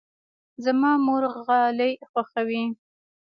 زما مور غالۍ خوښوي.